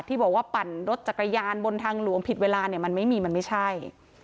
ที่บอกว่าปั่นรถจักรยานบนทางหลวงผิดเวลาเนี่ยมันไม่มีมันไม่ใช่